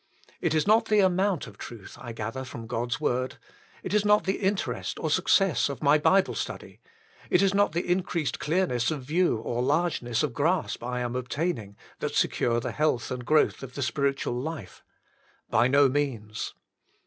It is not the amount of truth I gather from God's word; it is not the interest or success of my Bible study ; it is not the increased clearness of view or largeness of grasp I am ob taining, that secure the health and growth of the spiritual life. By no means.